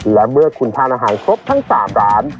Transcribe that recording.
และเมื่อคุณทานอาหารครบทั้ง๓ร้าน